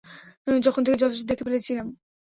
যখন থেকে যথেষ্ট দেখে ফেলেছিলাম।